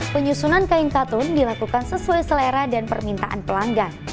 penyusunan kain katun dilakukan sesuai selera dan permintaan pelanggan